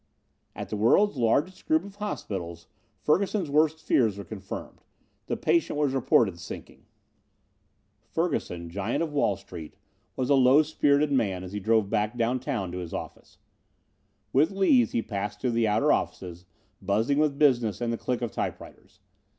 At the world's largest group of hospitals, Ferguson's worst fears were confirmed. The patient was reported sinking. Ferguson, giant of Wall Street, was a low spirited man as he drove back down town to his office. With Lees he passed through the outer offices, buzzing with business and the click of typewriters.